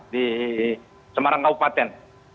di semarang kabupaten